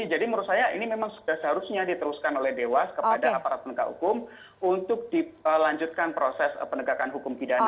jadi menurut saya ini memang sudah seharusnya diteruskan oleh dewas kepada aparat penegak hukum untuk dilanjutkan proses penegakan hukum pidana